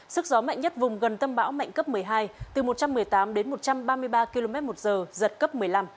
sức gió mạnh nhất vùng gần tâm bão mạnh cấp một mươi hai từ một trăm một mươi tám đến một trăm ba mươi ba km một giờ giật cấp một mươi năm